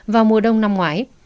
vào mùa đông năm ngoái